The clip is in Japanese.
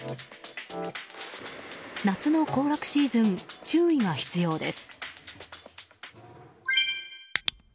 夏の行楽シーズン注意が必要です。